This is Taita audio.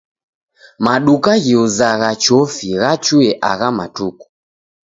Maduka ghiuzagha chofi ghachuye agha matuku.